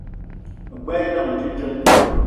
Me gbelé idam ote djeng